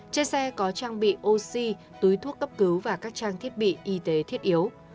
trên xe có trang bị oxy túi thuốc cấp cứu và các trang thiết bị y tế thiết yếu